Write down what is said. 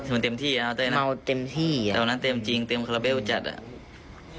มันเต็มที่อ่ะตอนนั้นเมาเต็มที่อ่ะตอนนั้นเต็มจริงเต็มคาราเบลจัดอ่ะ